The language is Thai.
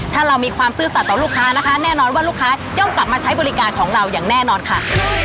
ถ้าเรามีความซื่อสัตว์ต่อลูกค้านะคะแน่นอนว่าลูกค้าย่อมกลับมาใช้บริการของเราอย่างแน่นอนค่ะ